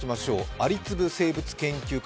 蟻粒生物研究家